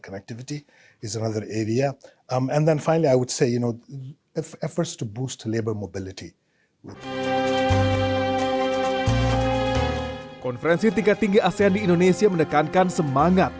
konferensi tingkat tinggi asean di indonesia menekankan semangat